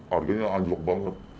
harganya anjlok banget